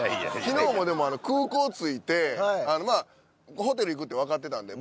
昨日もでも空港着いてまあホテル行くってわかってたんで。